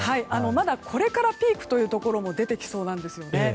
まだこれからピークというところも出てきそうなんですよね。